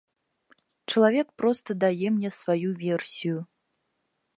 Чалавек проста дае мне сваю версію.